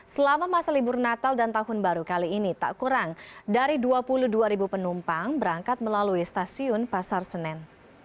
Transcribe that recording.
selama masa libur natal dan tahun baru kali ini tak kurang dari dua puluh dua penumpang berangkat melalui stasiun pasar senen